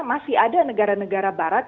masih ada negara negara barat